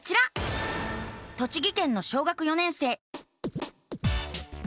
栃木県の小学４年生。